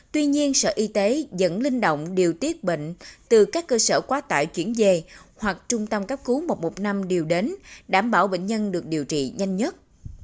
tuy nhiên sở y tế vẫn linh động điều tiết bệnh từ các cơ sở quá tải chuyển về hoặc trung tâm cấp cứu một trăm một mươi năm điều đến đảm bảo bệnh nhân được điều trị nhanh nhất